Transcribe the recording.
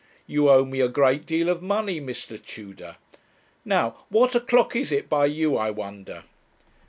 You owe me a great deal of money, Mr. Tudor. Now, what o'clock is it by you, I wonder?'